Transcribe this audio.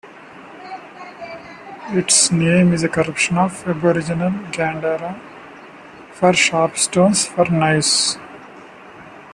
Its name is a corruption of Aboriginal 'Gianderra' for 'sharp stones for knives'.